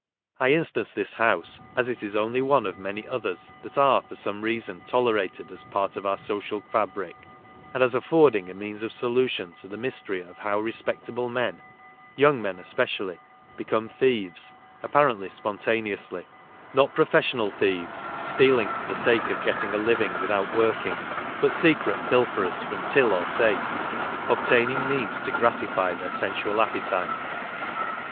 I inst »nce this house as it is only one of many others that are for some reason tolerated as part of our social fabric ; and as affording a means of solution to the mystery of how respectable men — young men especially—become thieves, apparently sponta * neously. Is ot professional thieves, stealing for the sake of getting a living without working, but secret pilferers from till or safe, obtaining means to gratify their sensual appetites.